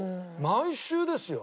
毎週ですよ。